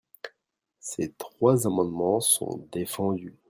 Ces trois amendements sont défendus.